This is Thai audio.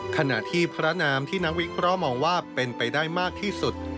ขณะที่พระนามที่นักวิเคราะห์มองว่าเป็นไปได้มากที่สุด